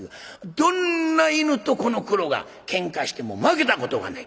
どんな犬とこのクロがケンカしても負けたことがない。